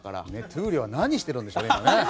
闘莉王は何してるんでしょうね今ね。